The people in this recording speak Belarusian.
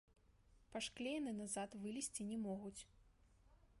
Па шкле яны назад вылезці не могуць.